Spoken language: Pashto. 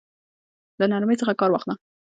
له نرمۍ څخه كار واخله!